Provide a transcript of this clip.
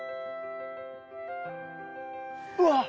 うわっ！